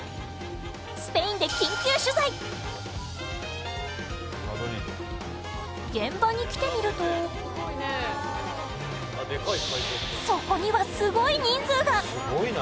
スペインで緊急取材現場に来てみるとそこには、すごい人数が伊達：すごいな！